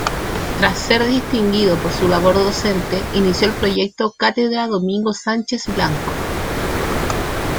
Tras ser distinguido por su labor docente, inició el proyecto "Cátedra Domingo Sánchez Blanco".